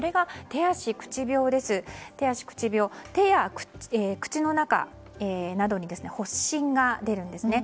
手足口病は手や口の中などに発疹が出るんですね。